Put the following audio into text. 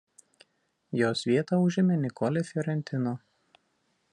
Jos vietą užėmė Nicole Fiorentino.